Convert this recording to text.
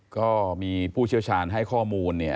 ก็มีผู้เชี่ยวชาญให้ข้อมูลเนี่ย